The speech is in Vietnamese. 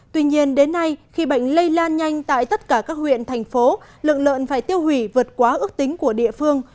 tuy nhiên đến nay khi bệnh lây lan nhanh tại tất cả các huyện thành phố lượng lợn phải tiêu hủy vượt quá ước tính của địa phương